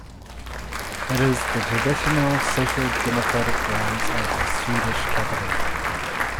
It is the traditional Social Democratic grounds of the Swedish capital.